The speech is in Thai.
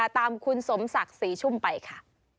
ตามคุณสมศักดิ์ศรีชุ่มไปค่ะ